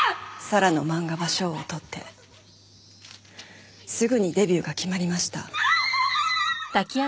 咲良の漫画は賞をとってすぐにデビューが決まりました。